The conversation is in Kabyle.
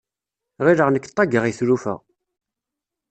Ɣileɣ nek ṭaggeɣ i tlufa.